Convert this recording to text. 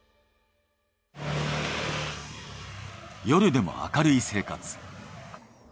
夜でも明るい生活。